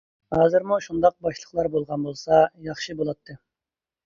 ھازىرمۇ شۇنداق باشلىقلار بولغان بولسا ياخشى بولاتتى.